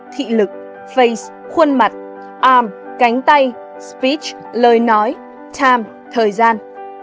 thị lực face khuôn mặt arm cánh tay speech lời nói time thời gian